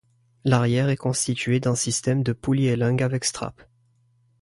L'arrière est constitué d'un système de poulies-élingues avec straps.